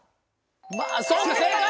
まぁそうか正解！